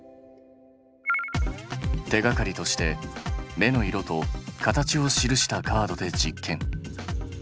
手がかりとして目の色と形を記したカードで実験。